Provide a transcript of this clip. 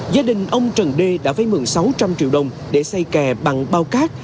gia đình ông trần đê đã vây mượn sáu trăm linh triệu đồng để xây kè bằng bao cát